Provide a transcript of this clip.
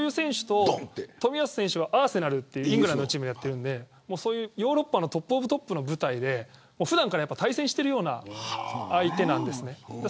冨安選手はアーセナルというイングランドのチームでプレーしているのでヨーロッパのトップトブトップの舞台で普段から対戦しているような相手なんです。